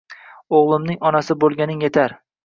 oʼgʼlimning onasi boʼlganing yetar.